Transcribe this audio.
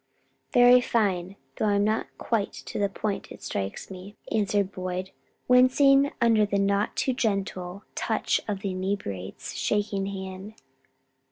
"Very fine, though not quite to the point, it strikes me," answered Boyd, wincing under the not too gentle touch of the inebriate's shaking hand.